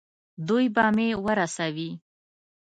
دوی به مې ورسوي.